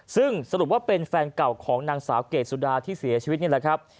ซึ่งสรุปว่าเป็นแฟนเก่าของนางสาวเกรดสุดาที่เสียชีวิตนี่แหละครับ